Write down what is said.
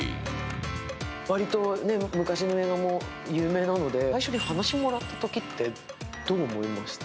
わりと昔の映画も有名なので最初に話もらったときって、どう思いました？